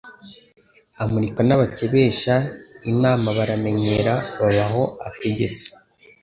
Amurika n' abakebesha inamaBaramenyera baba aho ategetse